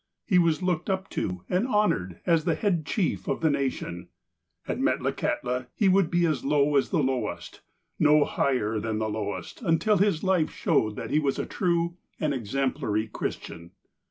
He was looked up to and honoured as the head chief of the nation. At Metlakahtla, he would be as low as the lowest — no higher than the lowest, until his life showed that he was a true and exemplary Christian.